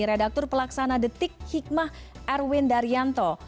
redaktur pelaksana detik hikmah erwin daryanto